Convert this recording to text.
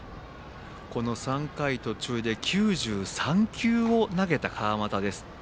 この３回途中で９３球を投げた川又です。